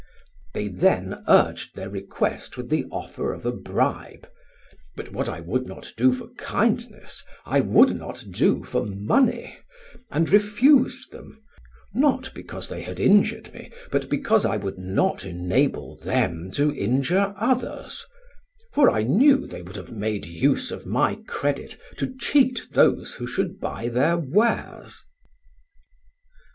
"They then urged their request with the offer of a bribe, but what I would not do for kindness I would not do for money, and refused them, not because they had injured me, but because I would not enable them to injure others; for I knew they would have made use of my credit to cheat those who should buy their wares.